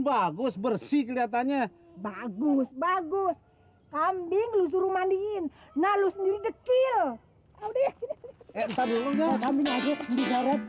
bagus bersih kelihatannya bagus bagus kambing lu suruh mandiin nah lu sendiri dekil eh tadi